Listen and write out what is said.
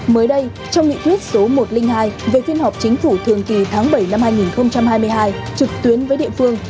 mới đây trong nghị quyết số một trăm linh hai về phiên họp chính phủ thường kỳ tháng bảy năm hai nghìn hai mươi hai trực tuyến với địa phương